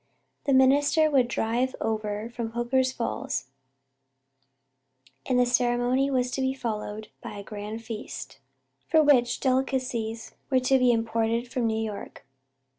The minister would drive over from Hooker's Falls, and the ceremony was to be followed by a grand feast, for which delicacies were to be imported from New York.